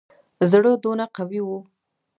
زړه دونه قوي وو.